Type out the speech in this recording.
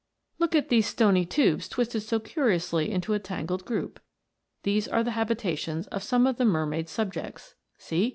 Look at these stony tubes twisted so curiously into a tangled group. These are the habitations of some of the mermaid's subjects. See!